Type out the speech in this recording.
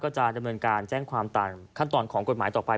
จะดำเนินการแจ้งความตามขั้นตอนของกฎหมายต่อไป